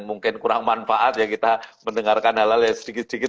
mungkin ada yang kurang manfaat ya kita mendengarkan hal hal ya sedikit sedikit